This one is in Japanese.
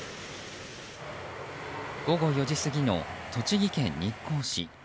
午後４時過ぎの栃木県日光市。